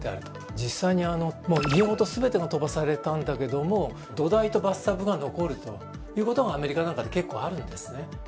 実際に家ごと全てが飛ばされたんだけども土台とバスタブが残るという事がアメリカなんかで結構あるんですね。